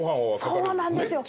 そうなんですよ。